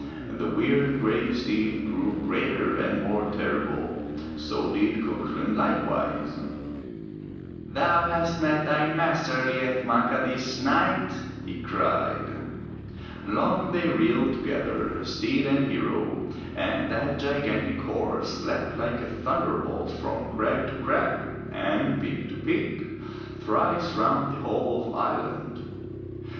The weird gray steed grew greater and more terrible — so did Cuchulain likewise. 410 FROM THE TOWER WINDOW 'Thou hast met thy master, Liath Macha, this night!'' he cried. Long they reeled together, steed and hero, and that gigantic horse leapt like a thun derbolt from crag to crag and peak to peak thrice round the whole of Ireland.